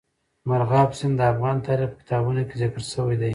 مورغاب سیند د افغان تاریخ په کتابونو کې ذکر شوی دی.